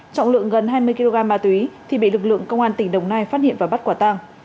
trọng lượng gần hai mươi kg ma túy thì bị lực lượng công an tỉnh đồng nai phát hiện và bắt quả tăng